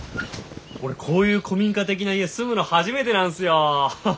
俺こういう古民家的な家住むの初めてなんすよ。